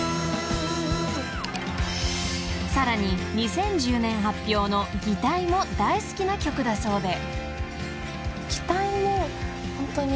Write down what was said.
［さらに２０１０年発表の『擬態』も大好きな曲だそうで］